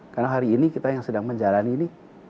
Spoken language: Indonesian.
karena hari ini kita yang sedang menjalani ini